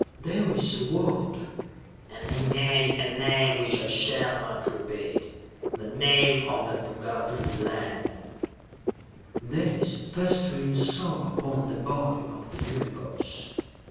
"There is a world" and he named a name which I shall not repeat, the name of the Forgotten Planet "that is a festering sore upon the body of the Universe.